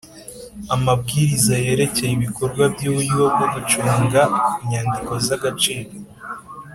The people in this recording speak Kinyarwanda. Amabwiriza yerekeye ibikorwa by uburyo bwo gucunga inyandiko z agaciro